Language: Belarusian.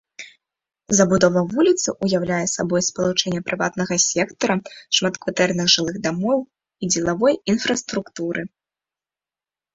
Забудова вуліцы ўяўляе сабой спалучэнне прыватнага сектара, шматкватэрных жылых дамоў і дзелавой інфраструктуры.